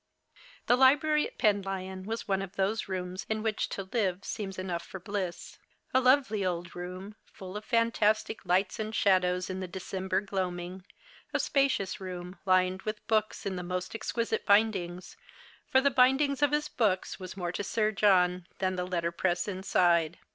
The library at Penlyon was one of those rooms in which to live seems enough for bliss. A lovely old room, full of fantastic lights and shadoAvs in the December gloaming ; a spacious room, lined with books in the most exquisite bindings, for the binding of his books was more to Sir John than the letterpress inside.